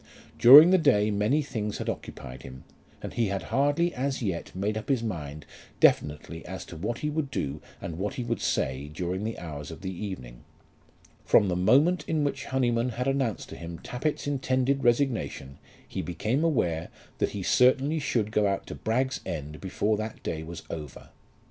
During the day many things had occupied him, and he had hardly as yet made up his mind definitely as to what he would do and what he would say during the hours of the evening. From the moment in which Honyman had announced to him Tappitt's intended resignation he became aware that he certainly should go out to Bragg's End before that day was over.